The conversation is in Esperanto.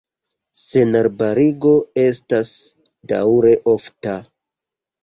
Senarbarigo estas daŭre ofta.